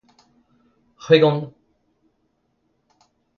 C'hwegont